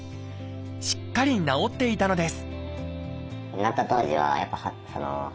しっかり治っていたのです